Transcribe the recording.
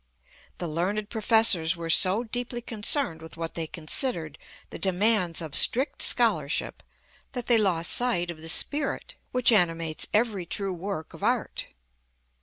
The learned professors were so deeply concerned with what they considered the demands of strict scholarship that they lost sight of the spirit which animates every true work of art.